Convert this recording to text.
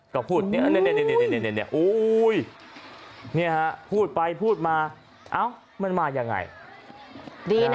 ก็พูดเนี่ยอู้ยพูดไปพูดมาเอ้ามันมายังไง